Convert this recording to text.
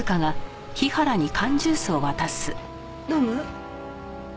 飲む？